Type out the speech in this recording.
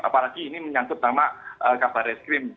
apalagi ini menyangkut nama kabar reskrim